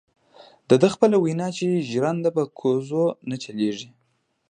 دده خپله وینا ده چې ژرنده په کوزو نه چلیږي.